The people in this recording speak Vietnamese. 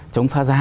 chống phá giá